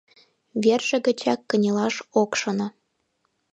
Верже гычат кынелаш ок шоно.